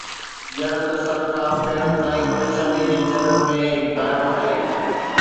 ڄڻ ته سر کان پيرن تائين پريشانيءَ جي چينل ۾ هڪ دائرو آهي